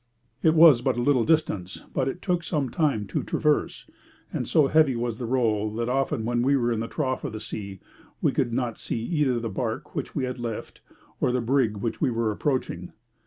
It was but a little distance, but it took some time to traverse, and so heavy was the roll that often when we were in the trough of the sea, we could not see either the barque which we had left or the brig which we were approaching.